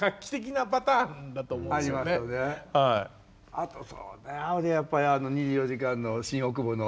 あと俺やっぱり２４時間の新大久保の。